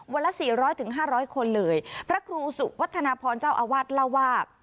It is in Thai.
วันละสี่ร้อยถึงห้าร้อยคนเลยพระครูอุศุวัฒนาพรเจ้าอวัดละวาบ